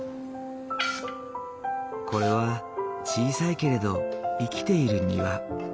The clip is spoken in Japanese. これは小さいけれど生きている庭。